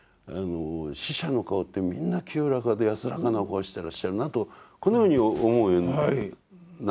死者の顔ってみんな清らかで安らかなお顔してらっしゃるなとこのように思うようになっていくんですね。